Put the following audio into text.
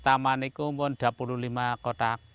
taman itu pun dua puluh lima kotak